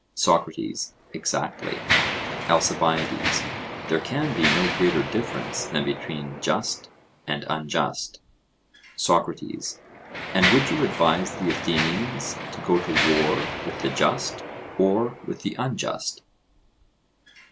SOCRATES: Exactly. ALCIBIADES: There can be no greater difference than between just and unjust. SOCRATES: And would you advise the Athenians to go to war with the just or with the unjust?